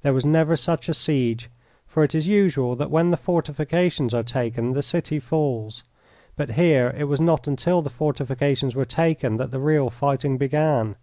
There was never such a siege, for it is usual that when the fortifications are taken the city falls, but here it was not until the fortifications were taken that the real fighting began.